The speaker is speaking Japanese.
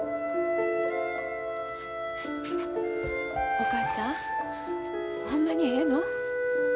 お母ちゃんほんまにええの？